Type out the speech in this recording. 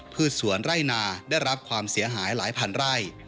สวนไร่นาได้รับความเสียหายหลายพันไร่